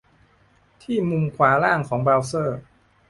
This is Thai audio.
ที่มุมขวาล่างของเบราว์เซอร์